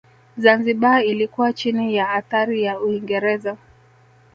Zanzibar ilikuwa chini ya athari ya Uingereza